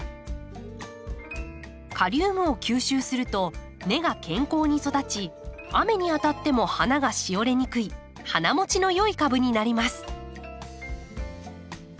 カリウムを吸収すると根が健康に育ち雨に当たっても花がしおれにくい花もちの良い株になります。